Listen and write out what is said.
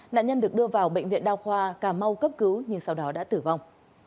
nạn nhân được đưa vào bệnh viện đa khoa cà mau cấp cứu nhưng sau đó đã tử vong